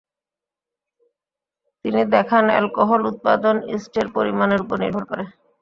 তিনি দেখান অ্যালকোহল উৎপাদন ইস্টের পরিমানের উপর নির্ভর করে।